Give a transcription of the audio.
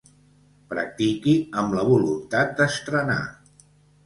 Practiqui amb la voluntat d'estrenar.